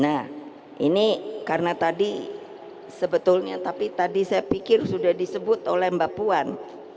nah ini karena tadi sebetulnya tapi tadi saya pikir sudah disebut oleh mbak puan